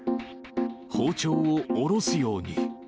包丁を下ろすように。